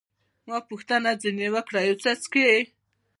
ما پوښتنه ځیني وکړل، یو څه څښئ؟